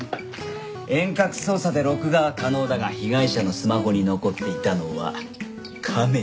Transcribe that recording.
遠隔操作で録画は可能だが被害者のスマホに残っていたのは亀の動画だけ。